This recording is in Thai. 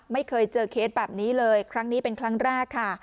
ไม่เคยเจอเคสแบบนี้เลยครั้งนี้เป็นครั้งแรกค่ะ